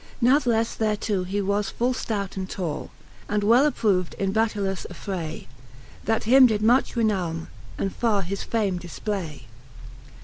Nathlefle thereto he was full ftout and tall. And well approv'd in batteilous affray, That him did much renowme, and far his fame diiplay.